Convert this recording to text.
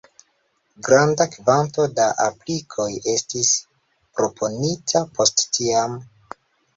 Granda kvanto da aplikoj estis proponita post tiam.